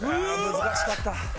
難しかった。